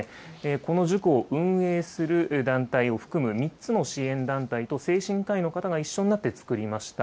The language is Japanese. この塾を運営する団体を含む３つの支援団体と、精神科医の方が一緒になって作りました。